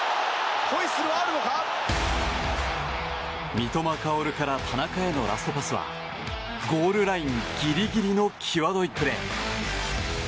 三笘薫から田中へのラストパスはゴールラインギリギリの際どいプレー。